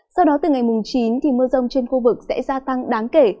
sau đó từ ngày chín thì mưa rông trên khu vực sẽ gia tăng đáng kể